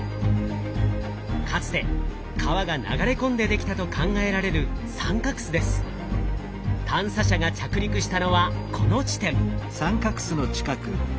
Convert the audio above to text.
かつて川が流れ込んでできたと考えられる探査車が着陸したのはこの地点。